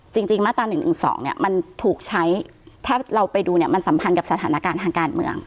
จริงมาตรา๑๑๒เนี่ยมันถูกใช้ถ้าเราไปดูเนี่ยมันสัมพันธ์กับสถานการณ์ทางการเมือง